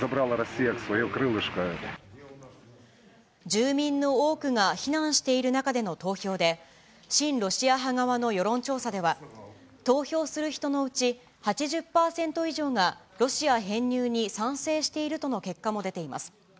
住民の多くが避難している中での投票で、親ロシア派側の世論調査では、投票する人のうち８０％以上がロシア編入に賛成しているとの結果も出ています。